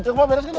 ya pak beres kita